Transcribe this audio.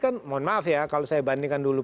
kan mohon maaf ya kalau saya bandingkan dulu